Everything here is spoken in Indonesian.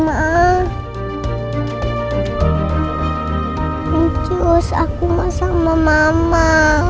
makasih aku mau sama mama